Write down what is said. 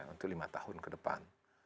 untuk lima tahun ke depan